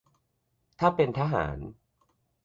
ถ้าเป็นทหาร